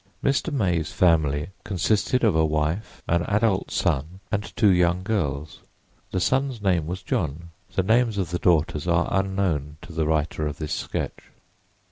Mr. May's family consisted of a wife, an adult son and two young girls. The son's name was John—the names of the daughters are unknown to the writer of this sketch.